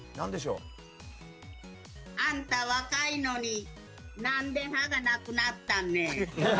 あんた、若いのになんで歯がなくなったんね。